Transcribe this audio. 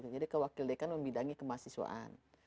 jadi ke wakil dekan membidangi kemahasiswaan